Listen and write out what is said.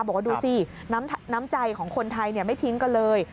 บอกว่าดูสิน้ำใจของคนไทยไม่ทิ้งกันเลย